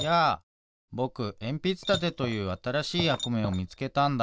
ぼくえんぴつたてというあたらしいやくめをみつけたんだ。